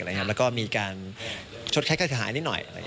แล้วก็มีการชดคล้ายนิดหน่อย